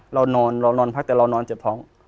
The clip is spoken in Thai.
เรานอนเรานอนพักแต่เรานอนเจ็บท้อง